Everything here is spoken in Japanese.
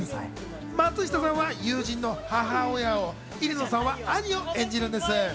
松下さんはユージンの母親を、入野さんは兄を演じます。